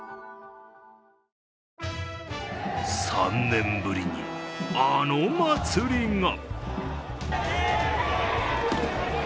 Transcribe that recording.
３年ぶりに、あの祭りが。